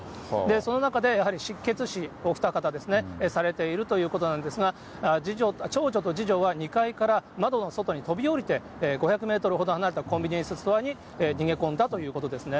その中で、やはり失血死、お二方はされているということなんですが、長女と次女は２階から窓の外に飛び降りて５００メートルほど離れたコンビニエンスストアに逃げ込んだということですね。